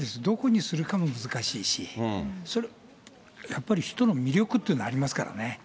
どこにするか難しいし、やっぱり首都の魅力というのがありますからね。